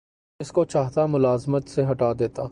جس کو چاہتا ملازمت سے ہٹا دیتا